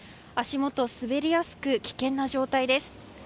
足元、滑りやすく危険な状態です。